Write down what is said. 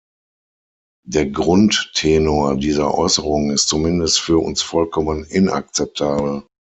Der Grundtenor dieser Äußerungen ist zumindest für uns vollkommen inakzeptabel.